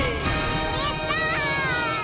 やった！